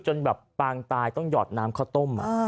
จนแบบปางตายต้องหยอดน้ำข้าวต้ม